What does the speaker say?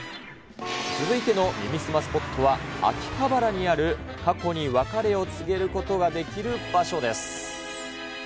続いての耳すまスポットは、秋葉原にある、過去に別れを告げることができる場所です。